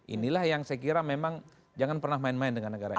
inilah yang saya kira memang jangan pernah main main dengan negara ini